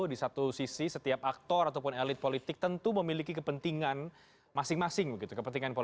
di satu sisi setiap aktor ataupun elit politik tentu memiliki kepentingan masing masing kepentingan politik